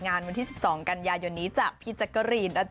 งานวันที่๑๒กันยายนนี้จ้ะพี่จักรีนนะจ๊ะ